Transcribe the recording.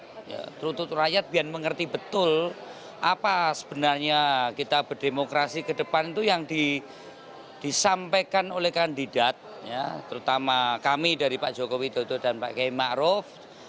untuk seluruh rakyat biar mengerti betul apa sebenarnya kita berdemokrasi ke depan itu yang disampaikan oleh kandidat ya terutama kami dari pak jokowi dodo dan pak km makrof